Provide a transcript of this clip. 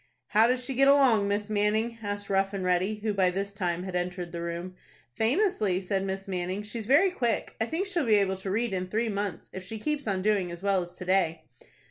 "How does she get along, Miss Manning?" asked Rough and Ready, who by this time had entered the room. "Famously," said Miss Manning. "She's very quick. I think she'll be able to read in three months, if she keeps on doing as well as to day."